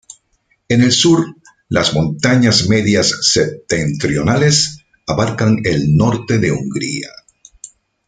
En el sur las Montañas Medias Septentrionales abarcan el norte de Hungría.